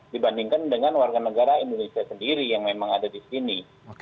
dibandingkan dengan warga negara indonesia sendiri yang memang ada di sini